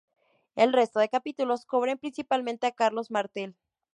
El resto de capítulos cubren principalmente a Carlos Martel.